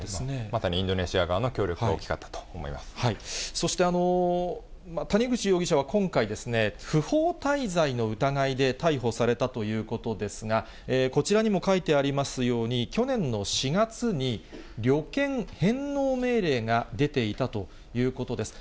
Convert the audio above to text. まさにインドネシア側の協力が大そして、谷口容疑者は今回、不法滞在の疑いで逮捕されたということですが、こちらにも書いてありますように、去年の４月に、旅券返納命令が出ていたということです。